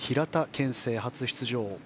憲聖、初出場。